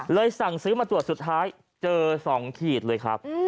สั่งซื้อมาตรวจสุดท้ายเจอ๒ขีดเลยครับ